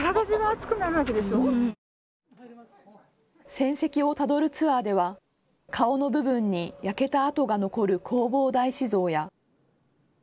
戦跡をたどるツアーでは顔の部分に焼けたあとが残る弘法大師像や。